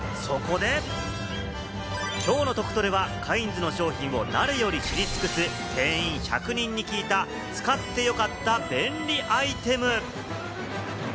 そこで、きょうのトクトレはカインズの商品を誰より知り尽くす店員１００人に聞いた、使ってよかった便利アイテム。